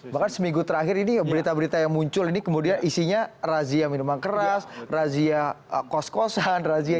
bahkan seminggu terakhir ini berita berita yang muncul ini kemudian isinya razia minuman keras razia kos kosan razia